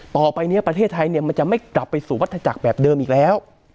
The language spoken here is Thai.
ต่อไปนี้ประเทศไทยมันจะไม่กลับไปสู่วัตถจักรแบบเดิมอีกแล้ว